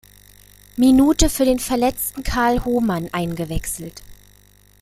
Minute für den verletzten Karl Hohmann eingewechselt.